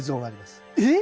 えっ！